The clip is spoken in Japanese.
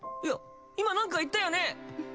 いや今なんか言ったよね？